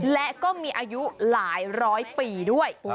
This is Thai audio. และก็มีอายุหลายร้อยปีด้วย